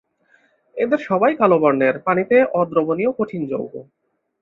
এদের সবাই কালো বর্ণের, পানিতে অদ্রবণীয় কঠিন যৌগ।